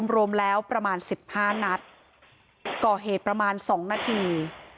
รวมแล้วประมาณ๑๕นัดก่อเหตุประมาณ๒นาที